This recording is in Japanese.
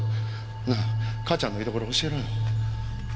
なあ母ちゃんの居所教えろよ。